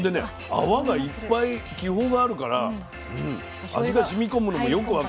泡がいっぱい気泡があるから味がしみこむのもよく分かる。